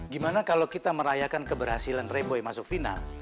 gimana kalau kita merayakan keberhasilan reboy masuk final